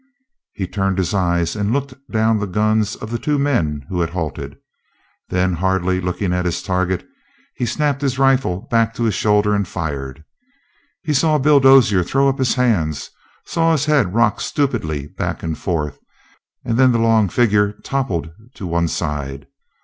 He turned his eyes and looked down the guns of the two men who had halted. Then, hardly looking at his target, he snapped his rifle back to his shoulder and fired. He saw Bill Dozier throw up his hands, saw his head rock stupidly back and forth, and then the long figure toppled to one side.